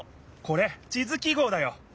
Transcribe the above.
これ地図記号だよ。